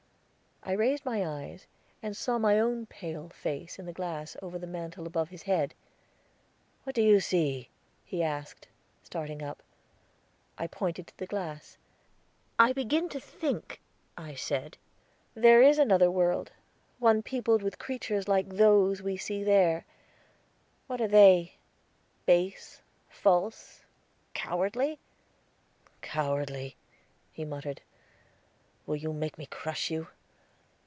I raised my eyes, and saw my own pale face in the glass over the mantel above his head. "What do you see?" he asked, starting up. I pointed to the glass. "I begin to think," I said, "there is another world, one peopled with creatures like those we see there. What are they base, false, cowardly?" "Cowardly," he muttered, "will you make me crush you?